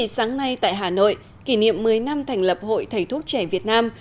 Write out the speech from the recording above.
sáng nay tại hà nội kỷ niệm một mươi năm thành lập hội thầy thuốc trẻ việt nam